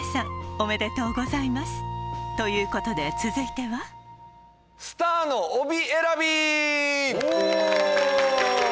おめでとうございますということで続いてはスターの帯選び！